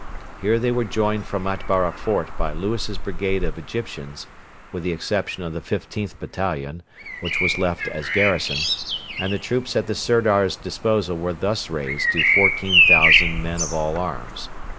Here they were joined from Atbara fort by Lewis's brigade of Egyptians with the exception of the 15th Battalion, which was left as garrison and the troops at the Sirdar's disposal were thus raised to 14,000 men of all arms.